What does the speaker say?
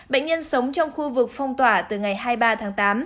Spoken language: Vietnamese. bệnh nhân sống trong khu vực phong tỏa từ ngày hai mươi ba tháng tám